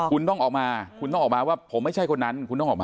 คุณต้องออกมาว่าผมไม่ใช่คนนั้น